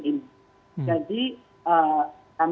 jadi kami sudah memperhitungkan bahwa